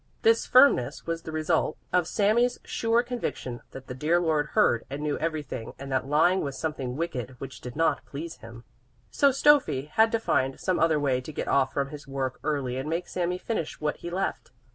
This firmness was the result of Sami's sure conviction that the dear Lord heard and knew everything and that lying was something wicked, which did not please Him. So Stöffi had to find some other way to get off from his work early and make Sami finish what he left.